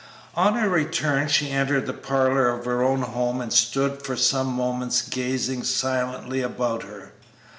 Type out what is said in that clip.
On her return she entered the parlor of her own home and stood for some moments gazing silently about her.